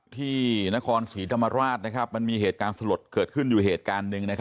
ที่นครศรีธรรมราชมันมีเหตุการณ์สลดเกิดขึ้นอยู่เหตุการณ์หนึ่ง